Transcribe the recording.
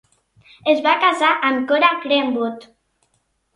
Es va casar amb Cora Greenwood.